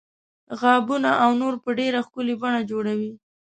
غابونه او نور په ډیره ښکلې بڼه جوړوي.